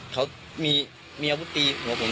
เขามีอาวุธตีหัวผม